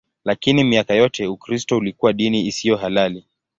Lakini miaka yote Ukristo ulikuwa dini isiyo halali.